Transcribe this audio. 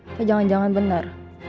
atau jangan jangan benar